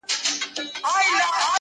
او طوطي ته یې دوکان وو ورسپارلی،